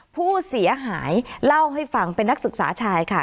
ผู้เสียหายเล่าให้ฟังเป็นนักศึกษาชายค่ะ